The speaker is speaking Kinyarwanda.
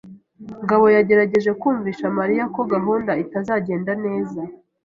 Ngabo yagerageje kumvisha Mariya ko gahunda itazagenda neza.